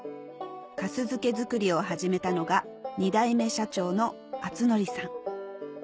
粕漬け作りを始めたのが２代目社長の阜陸さん